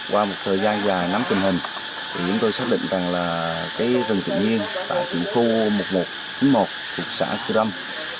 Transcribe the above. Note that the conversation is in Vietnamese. qua một thời gian dài nắm tình hình chúng tôi xác định rằng rừng tự nhiên tại tỉnh khu một nghìn một trăm chín mươi một thị xã crong